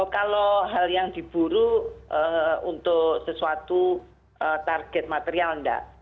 kalau hal yang diburu untuk sesuatu target material enggak